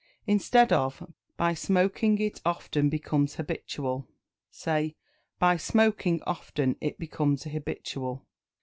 Instead of "By smoking it often becomes habitual," say "By smoking often it becomes habitual."